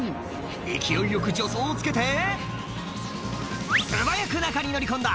勢いよく助走をつけて素早く中に乗り込んだ！